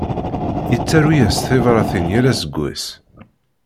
Yettaru-yas tibratin yal aseggas.